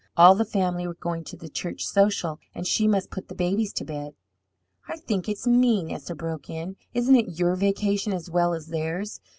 All the family were going to the church sociable, and she must put the babies to bed. "I think it's mean," Esther broke in. "Isn't it your vacation as well as theirs?